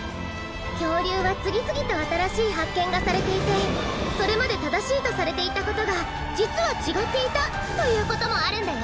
きょうりゅうはつぎつぎとあたらしいはっけんがされていてそれまでただしいとされていたことがじつはちがっていたということもあるんだよ！